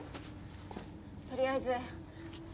取りあえず。